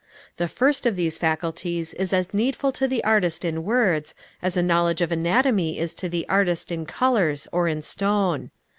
The first of these faculties is as needful to the artist in words, as a knowledge of anatomy is to the artist in colors or in stone.